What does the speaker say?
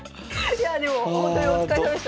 いやあでもほんとにお疲れさまでした。